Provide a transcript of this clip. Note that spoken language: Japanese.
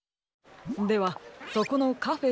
ではそこのカフェ